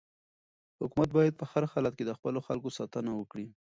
حکومت باید په هر حالت کې د خپلو خلکو ساتنه وکړي.